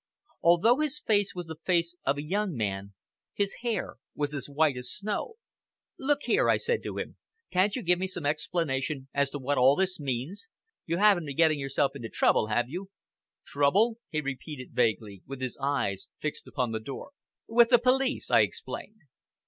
Although his face was the face of a young man, his hair was as white as snow. "Look here," I said to him, "can't you give me some explanation as to what all this means? You haven't been getting yourself into trouble, have you?" "Trouble!" he repeated vaguely, with his eyes fixed upon the door. "With the police!" I explained.